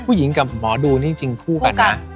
ผู้หญิงกับหมอดูคู่กันนะ